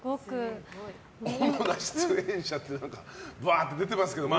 主な出演者ってバーって出てますけど